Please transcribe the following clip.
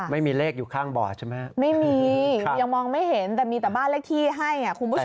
ไม่มีเลขอยู่ข้างบ่อใช่ไหมไม่มียังมองไม่เห็นแต่มีแต่บ้านเลขที่ให้อ่ะคุณผู้ชม